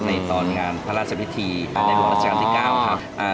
ในตอนงานพระราชพิธีในหลวงราชการที่๙ครับ